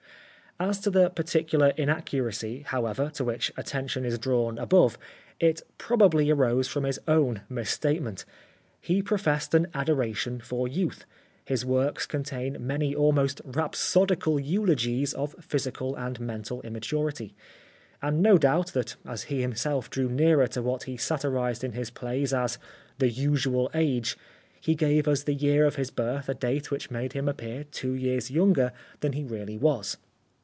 As to the particular inaccuracy, however, to which attention is drawn above, it probably arose from his own misstatement. He professed an adoration for youth ; his works contain many almost rhapsodical eulogies of physical and mental immaturity; and no doubt that as he himself drew nearer to what he satirised in his plays as " the usual age," he gave as the year of his birth a date which made him appear two years younger than he really was.